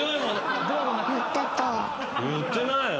言ってないよ。